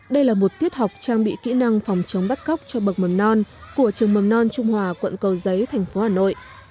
đây là một tiết học trang bị kỹ năng phòng chống bắt cóc cho bậc mầm non của trường mầm non trung hòa quận cầu giấy thành phố hà nội